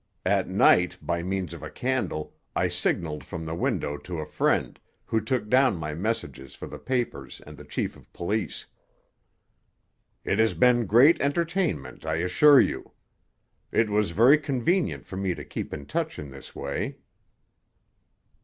At night, by means of a candle, I signaled from the window to a friend, who took down my messages for the papers and the chief of police. "It has been great entertainment, I assure you. It was very convenient for me to keep in touch in this way."